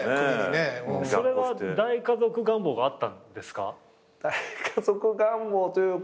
大家族願望があったんですか？